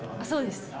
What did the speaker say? そうです。